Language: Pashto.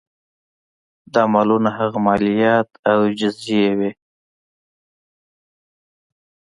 دا مالونه هغه مالیات او جزیې وې.